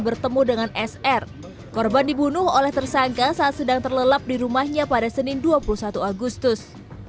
bertemu dengan sr korban dibunuh oleh tersangka saat sedang terlelap di rumahnya pada senin dua puluh satu agustus